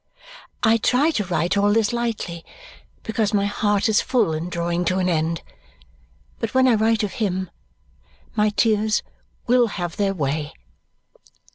I try to write all this lightly, because my heart is full in drawing to an end, but when I write of him, my tears will have their way.